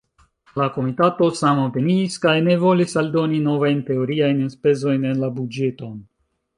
La Komitato samopiniis, kaj ne volis aldoni novajn teoriajn enspezojn en la buĝeton.